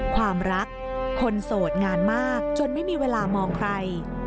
ความรักคนโสดงานมากจนไม่มีเวลามองใคร